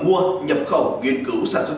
mua nhập khẩu nghiên cứu sản xuất